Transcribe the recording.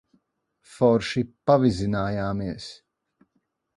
Forši pavizinājāmies.